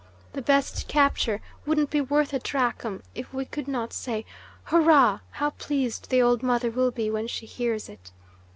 The best capture wouldn't be worth a drachm if we could not say, 'Hurrah! how pleased the old mother will be when she hears it!